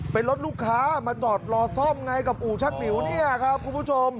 เป็นรถลูกค้ามาจอดรอซ่อมไงกับอู่ชักหลิวเนี่ยครับคุณผู้ชม